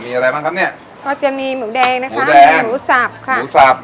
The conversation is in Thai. มีอะไรบ้างครับเนี้ยก็จะมีหมูแดงนะคะหมูสับค่ะหมูสับ